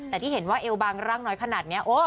แต่ที่เห็นว่าเอวบางร่างน้อยขนาดนี้